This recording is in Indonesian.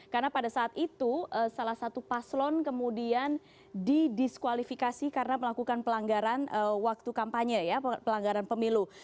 karena pada saat itu salah satu paslon kemudian didiskualifikasi karena melakukan pelanggaran waktu kampanye ya pelanggaran pemilu